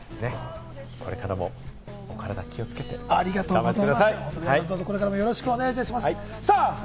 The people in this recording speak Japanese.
これからもお体気をつけて頑張ってください。